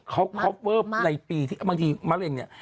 เขาครอบเวิร์ดในปีที่บางทีมะอะไร